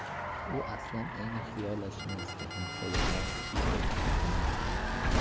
او اصلا عین خیالش نیست که همسایهها چی فکر می کنن.